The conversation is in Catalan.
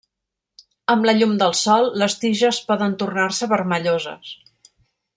Amb la llum del sol, les tiges poden tornar-se vermelloses.